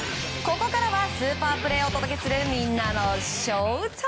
ここからはスーパープレーをお届けするみんなのＳＨＯＷＴＩＭＥ！